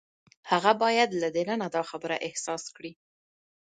هغه باید له دننه دا خبره احساس کړي.